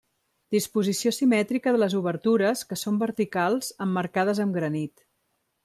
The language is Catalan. Disposició simètrica de les obertures, que són verticals emmarcades amb granit.